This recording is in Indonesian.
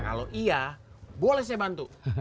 kalau iya boleh saya bantu